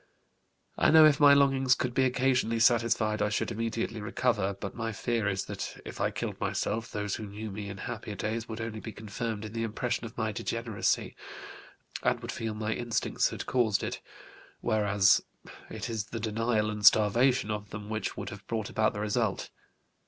I know if my longings could be occasionally satisfied I should immediately recover, but my fear is that if I killed myself those who knew me in happier days would only be confirmed in the impression of my degeneracy and would feel my instincts had caused it, whereas it is the denial and starvation of them which would have brought about the result.